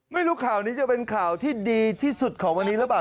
ไม่รู้ข่าวนี้จะเป็นข่าวที่ดีที่สุดของวันนี้หรือเปล่า